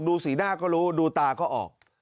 สีหน้าก็รู้ดูตาก็ออก